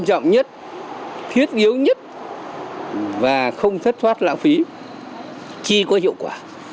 đối với vấn đề chi thì phải cho vay các cái ngành quan trọng nhất thiết yếu nhất và không thất thoát lãng phí chi có hiệu quả